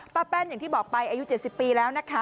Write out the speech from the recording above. แป้นอย่างที่บอกไปอายุ๗๐ปีแล้วนะคะ